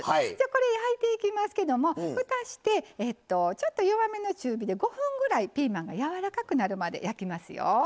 これ焼いていきますけどもふたをしてちょっと弱めの中火で５分ぐらいピーマンがやわらかくなるまで焼きますよ。